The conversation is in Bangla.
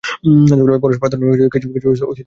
পরশ পাথর নামে কিছুর অস্তিত্ব বিজ্ঞান স্বীকার করেনি।